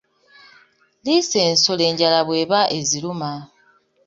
Liisa ensolo enjala bw'eba eziruma.